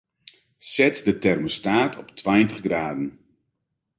Set de termostaat op tweintich graden.